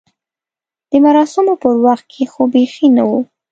د مراسمو پر وخت کې خو بیخي نه و.